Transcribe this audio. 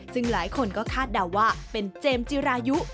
ซึ่งหลายคนก็คาดเดาว่าเป็นเจมส์จิรายุ